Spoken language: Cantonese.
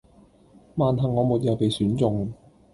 萬幸我沒有被選中